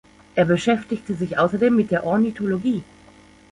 Er beschäftigte sich außerdem mit der Ornithologie.